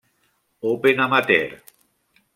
Open Amateur.